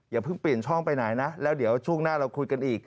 อย่าเพิ่งเปลี่ยนช่องไปไหนนะแล้วเดี๋ยวช่วงหน้าเราคุยกันอีก